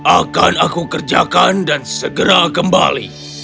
akan aku kerjakan dan segera kembali